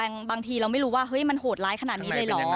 แต่บางทีเราไม่รู้ว่ามันโหดร้ายขนาดนี้เลยหรือ